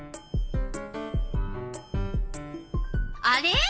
あれ？